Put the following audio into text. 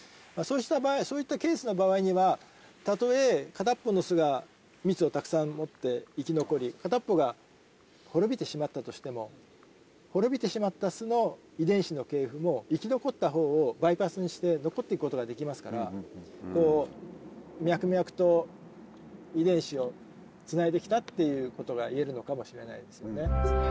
そういったケースの場合にはたとえ片方の巣がミツをたくさん持って生き残り片方が滅びてしまったとしても滅びてしまった巣の遺伝子の系譜も生き残ったほうをバイパスにして残って行くことができますから脈々と遺伝子をつないで来たっていうことがいえるのかもしれないですよね。